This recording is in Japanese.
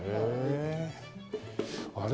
あれ？